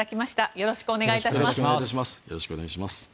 よろしくお願いします。